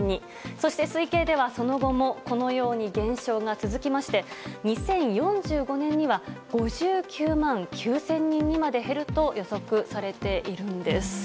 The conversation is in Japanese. そして、推計ではその後もこのように減少が続きまして２０４５年には５９万９０００人にまで減ると予測されているんです。